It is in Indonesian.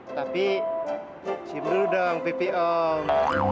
tapi si merudong pipi om